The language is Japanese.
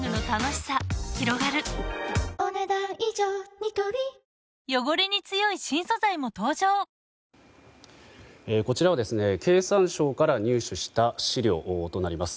ニトリこちらは、経産省から入手した資料となります。